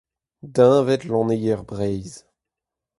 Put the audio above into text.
Deñved lanneier Breizh.